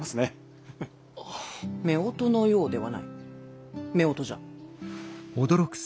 夫婦のようではない夫婦じゃ。